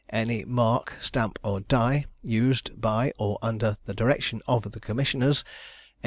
any mark, stamp or die, used by or under the direction of the commissioners," &c.